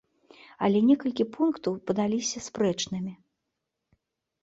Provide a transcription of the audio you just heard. Але некалькі пунктаў падаліся спрэчнымі.